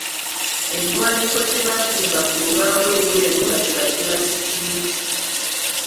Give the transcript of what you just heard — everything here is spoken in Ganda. Ekiwandiiko kye baatimba ku lubaawo ebweru nga kyebajje bakisiige.